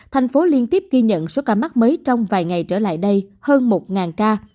thành phố liên tiếp ghi nhận số ca mắc mới trong vài ngày trở lại đây hơn một ca